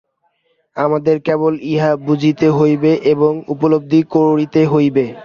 আমাদের কেবল ইহা বুঝিতে হইবে এবং উপলব্ধি করিতে হইবে।